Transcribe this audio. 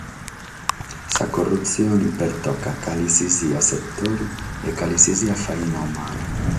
Sa corrutzione pertocat cale si siat setore e cale si siat faina umana.